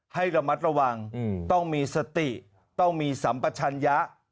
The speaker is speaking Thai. ให้ระมัดระวังต้องมีสติต้องมีสัมปชัญญะ